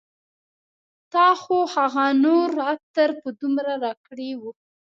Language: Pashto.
تا خو هغه نور عطر په دومره راکړي و